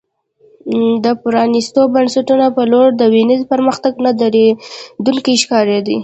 د پرانیستو بنسټونو په لور د وینز پرمختګ نه درېدونکی ښکارېده